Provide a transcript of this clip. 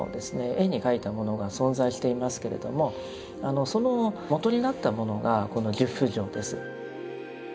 絵に描いたものが存在していますけれどもその元になったものがこの十不浄です。